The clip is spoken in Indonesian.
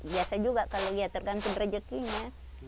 biasa juga kalau ya tergantung rejekinya